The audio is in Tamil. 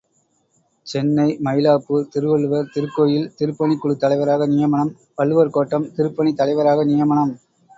● சென்னை, மயிலாப்பூர் திருவள்ளுவர் திருக்கோயில் திருப்பணிக்குழுத் தலைவராக நியமனம், வள்ளுவர் கோட்டம் திருப்பணித் தலைவராக நியமனம்.